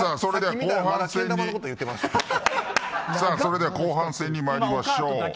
それでは後半戦にまいりましょう。